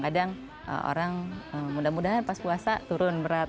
kadang orang mudah mudahan pas puasa turun berat